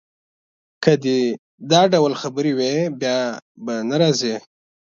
که دي دا ډول خبرې وې، بیا به نه راځې.